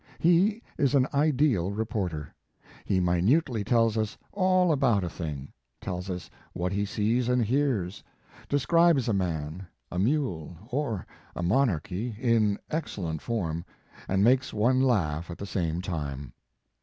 He is an ideal reporter. He minutely tells us all about a thing, tells us what he sees and hears, describes a man, a mule or a monarchy in excellent form, and makes one laugh at the same time.